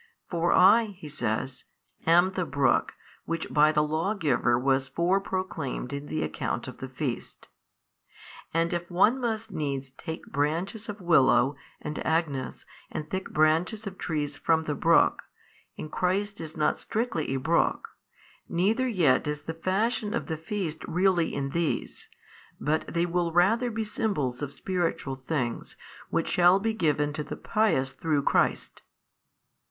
For I (He says) am the Brook which by the Lawgiver was fore proclaimed in the account of the feast. And if one must needs take branches of willow and agnus and thick branches of trees from the brook, and Christ is not strictly a brook, neither yet is the fashion of the feast really in these, but they will rather be symbols of spiritual things which shall be given to the pious through Christ.